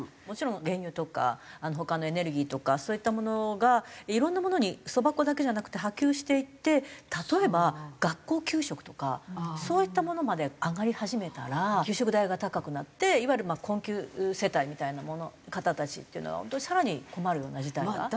もちろん原油とか他のエネルギーとかそういったものがいろんなものにそば粉だけじゃなくて波及していって例えば学校給食とかそういったものまで上がり始めたら給食代が高くなっていわゆる困窮世帯みたいな方たちっていうのは本当に更に困るような事態が。